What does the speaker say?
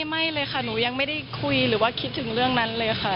ไม่เลยค่ะหนูยังไม่ได้คุยหรือว่าคิดถึงเรื่องนั้นเลยค่ะ